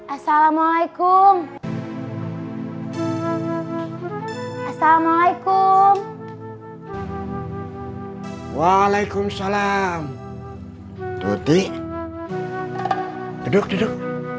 assalamualaikum assalamualaikum waalaikumsalam tuti duduk duduk